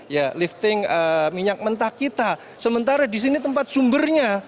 ya lifting minyak mentah kita sementara di sini tempat sumbernya